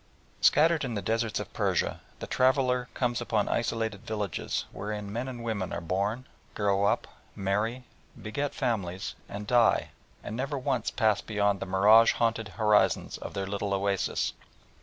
Scattered in the deserts of Persia, the traveller comes upon isolated villages wherein men and women are born, grow up, marry, beget families, and die, and never once pass beyond the mirage haunted horizon of their little oasis.